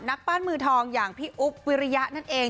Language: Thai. นักปั้นมือทองอย่างพี่อุ๊บวิริยะนั่นเอง